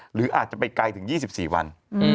หรืออาจจะไปไกลถึง๒๔วัน